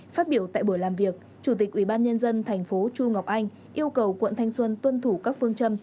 phát biểu tại buổi làm việc chủ tịch ubnd tp chu ngọc anh yêu cầu quận thanh xuân tuân thủ các phương châm